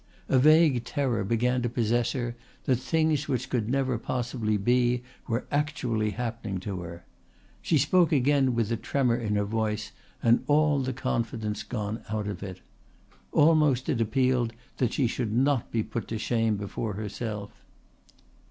A vague terror began to possess her that things which could never possibly be were actually happening to her. She spoke again with a tremor in her voice and all the confidence gone out of it. Almost it appealed that she should not be put to shame before herself.